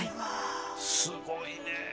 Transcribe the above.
すごいね。